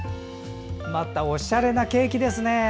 おしゃれなケーキですね。